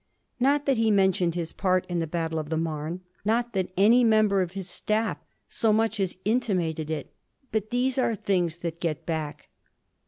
Not that he mentioned his part in the battle of the Marne. Not that any member of his staff so much as intimated it. But these are things that get back.